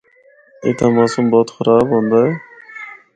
اِتھا موسم بہت خراب ہوندا ہے۔